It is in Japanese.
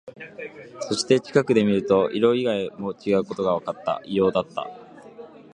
そして、近くで見ると、色以外も違うことがわかった。異様だった。